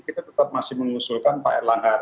kita tetap masih mengusulkan pak erlangga r satu